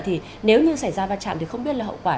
thì nếu như xảy ra va chạm thì không biết là hậu quả